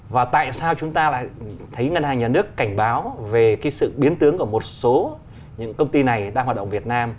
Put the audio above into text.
và tại sao chúng ta lại thấy ngân hàng nhà nước cảnh báo về sự biến tướng của một số công ty này đang hoạt động việt nam